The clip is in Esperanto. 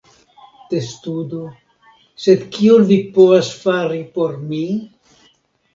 Testudo: "Sed, kion vi povas fari por mi?"